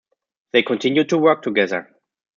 They continue to work together.